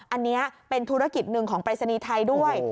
อันนี้เป็นธุรกิจหนึ่งของปรายศนีย์ไทยด้วย